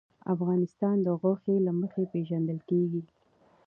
افغانستان د غوښې له مخې پېژندل کېږي.